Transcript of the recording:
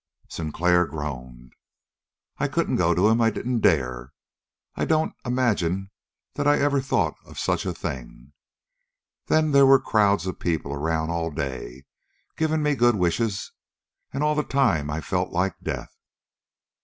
Sinclair groaned. "I couldn't go to him. I didn't dare. I don't imagine that I ever thought of such a thing. Then there were crowds of people around all day, giving me good wishes. And all the time I felt like death.